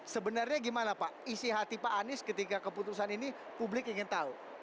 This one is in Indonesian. sebenarnya gimana pak isi hati pak anies ketika keputusan ini publik ingin tahu